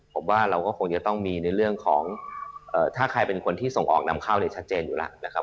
ผมว่าเราก็คงจะต้องมีในเรื่องของถ้าใครเป็นคนที่ส่งออกนำเข้าเนี่ยชัดเจนอยู่แล้วนะครับ